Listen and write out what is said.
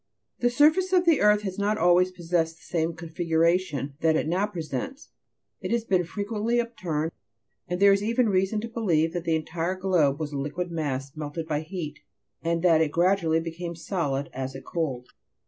The surface of the earth has not always possessed the same configuration that it now presents ; it has been frequently upturned, and there is even reason to believe that the entire globe was a liquid mass, melted by heat, and that it gradually became solid as it cooled.